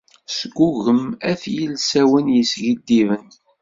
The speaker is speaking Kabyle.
Sgugem at yilsawen yeskiddiben.